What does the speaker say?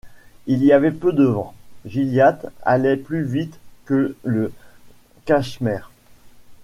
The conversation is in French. Il y avait peu de vent, Gilliatt allait plus vite que le Cashmere.